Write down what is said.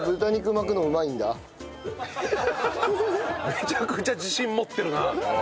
めちゃくちゃ自信持ってるな。